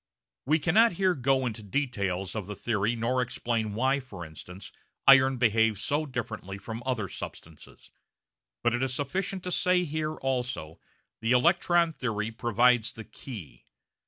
We cannot here go into the details of the theory nor explain why, for instance, iron behaves so differently from other substances, but it is sufficient to say that here, also, the electron theory provides the key.